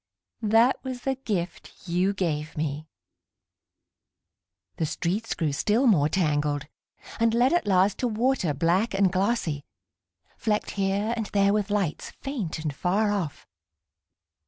That was the gift you gave me. ... The streets grew still more tangled, And led at last to water black and glossy, Flecked here and there with lights, faint and far off.